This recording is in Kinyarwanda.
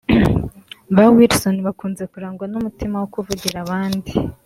Ba Wilson bakunze kurangwa n’umutima wo kuvugira abandi